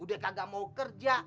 udah kagak mau kerja